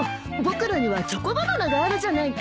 僕らにはチョコバナナがあるじゃないか。